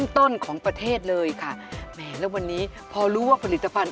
ต้นของประเทศเลยค่ะแหมแล้ววันนี้พอรู้ว่าผลิตภัณฑ